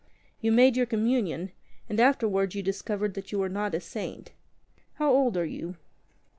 You made your Communion, and afterwards you discovered that you were not a saint. How old are you